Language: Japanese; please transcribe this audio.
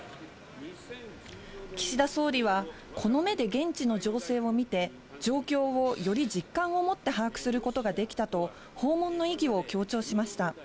岸田総理は、この目で現地の情勢を見て、状況をより実感を持って把握することができたと、訪問の意義を強調しました。